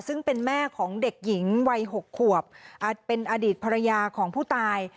ซึ่งเป็นแม่ของเด็กหญิงวัย๖ขวบเป็นอดีตภรรยาของผู้ตาย